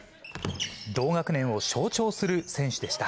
同学年を象徴する選手でした。